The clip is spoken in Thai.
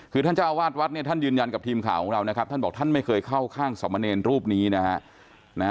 คือท่านเจ้าวาดวัดเนี่ยท่านยืนยันกับทีมข่าวของเรานะครับท่านบอกท่านไม่เคยเข้าข้างสมเนรรูปนี้นะฮะ